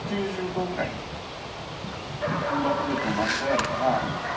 ９０度ぐらい、ナンバープレート、曲げてあるから。